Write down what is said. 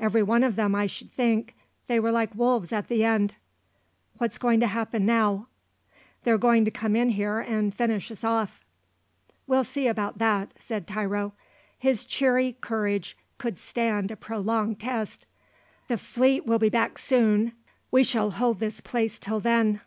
"Every one of them, I should think; they were like wolves at the end." "What's going to happen now?" "They're going to come in here and finish us off." "We'll see about that," said Tiro. His cheery courage could stand a prolonged test. "The fleet will be back soon; we shall hold this place till then."